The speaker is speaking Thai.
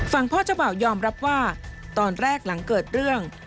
พ่อเจ้าบ่าวยอมรับว่าตอนแรกหลังเกิดเรื่อง